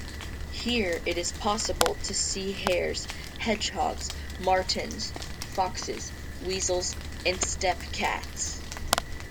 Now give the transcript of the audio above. Here it is possible to see hares, hedgehogs, martens, foxes, weasels and steppe cats.